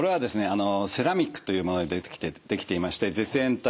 あのセラミックというもので出来ていまして絶縁体なんです。